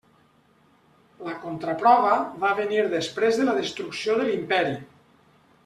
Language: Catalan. La contraprova va venir després de la destrucció de l'Imperi.